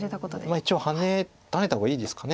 一応ハネハネた方がいいですかね